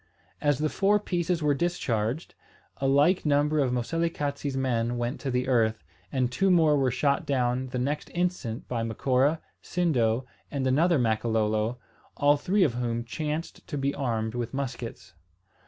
As the four pieces were discharged, a like number of Moselekatse's men went to the earth; and two more were shot down the next instant by Macora, Sindo, and another Makololo, all three of whom chanced to be armed with muskets.